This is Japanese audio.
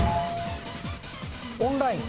オンライン。